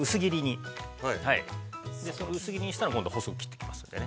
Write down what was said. ◆その薄切りにしたら今度は細く切っていきますんでね。